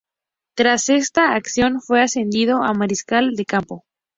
Tras esta acción fue ascendido a Mariscal de Campo.